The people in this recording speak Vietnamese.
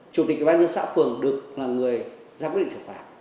chủ tịch bán dân xã phường được là người ra quy định xử phạt